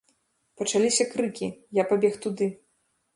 Пачаліся крыкі, я пабег туды.